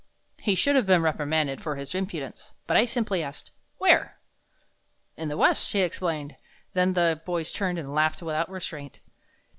He should have been reprimanded for his impudence, but I simply asked, "Where?" "In the west," he explained. Then the boys turned and laughed without restraint.